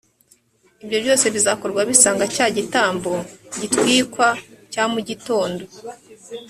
ibyo byose bizakorwa bisanga cya gitambo gitwikwa cya mu gitondo